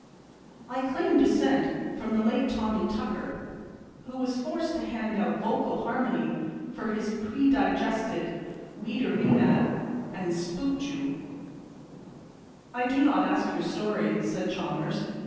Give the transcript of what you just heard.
I claim descent from the late Tommy Tucker, who was forced to hand out vocal harmony for his pre digested wheaterina and spoopju." "I do not ask your story," said Chalmers.